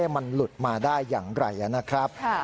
มันหลุดมาได้อย่างไรนะครับ